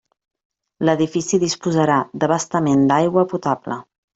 L'edifici disposarà d'abastament d'aigua potable.